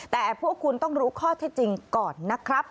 แต่พวกคุณต้องรู้ข้อเท็จจริงก่อนนะครับ